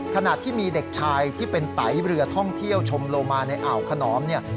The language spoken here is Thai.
ขณะที่มีเด็กชายที่เป็นไตเรือท่องเที่ยวชมโลมาในอ่าวขนอมเนี่ย